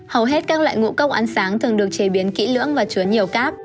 hầu hết các loại ngũ cốc ăn sáng thường được chế biến kỹ lưỡng và chứa nhiều cáp